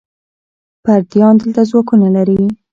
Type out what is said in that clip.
پردیان دلته ځواکونه لري.